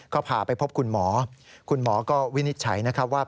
ก็พาไปพบคุณหมอคุณหมอก็วินิจฉัยนะครับว่า